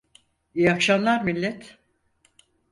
İyi akşamlar millet.